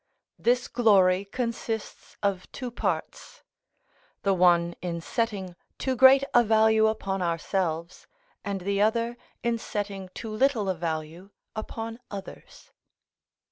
This glory consists of two parts; the one in setting too great a value upon ourselves, and the other in setting too little a value upon others.